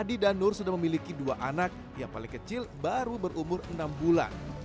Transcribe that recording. adi dan nur sudah memiliki dua anak yang paling kecil baru berumur enam bulan